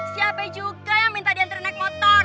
si ape juga yang minta diantre naik motor